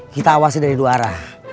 kita awasi dari dua arah